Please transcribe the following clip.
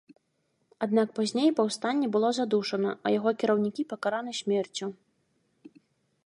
Аднак пазней паўстанне было задушана, а яго кіраўнікі пакараны смерцю.